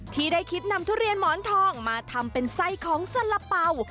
ที่ได้คิดนำทุเรียนหมอนทองมาทำเป็นไส้ของสละเป๋า